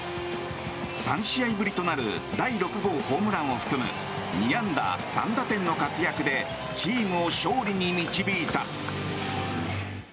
３試合ぶりとなる第６号ホームランを含む２安打３打点の活躍でチームを勝利に導いた。